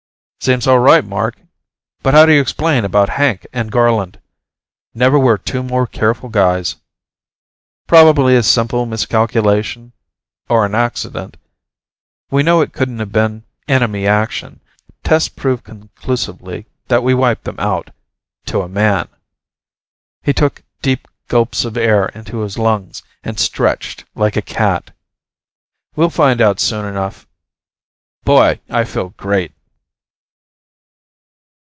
"Seems all right, Mark. But how do you explain about Hank and Garland? Never were two more careful guys." "Probably a simple miscalculation. Or an accident. We know it couldn't have been enemy action. Tests prove conclusively that we wiped them out to a man." He took deep gulps of air into his lungs, and stretched like a cat. "We'll find out soon enough. Boy, I feel great!"